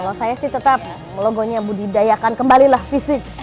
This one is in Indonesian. kalau saya sih tetap logonya budidayakan kembalilah fisik